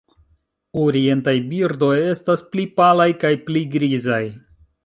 Orientaj birdoj estas pli palaj kaj pli grizaj.